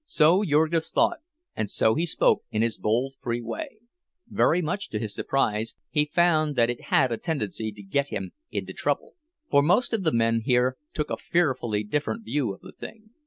So Jurgis thought, and so he spoke, in his bold, free way; very much to his surprise, he found that it had a tendency to get him into trouble. For most of the men here took a fearfully different view of the thing.